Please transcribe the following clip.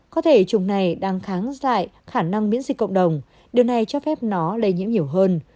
có thể chủng này đang kháng dại khả năng miễn dịch cộng đồng điều này cho phép nó lây nhiễm nhiều hơn